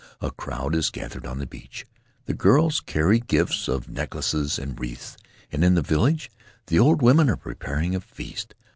A crowd is gathered on the beach; the girls carry gifts In the Cook Group of necklaces and wreaths; and in the village the old women are preparing a feast.